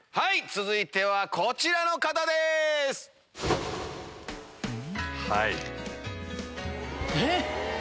続いてはこちらの方です。え？